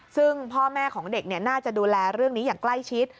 ซึ่งพ่อแม่ของเด็กน่าจะดูแลเรื่องนี้อย่างใกล้ชิด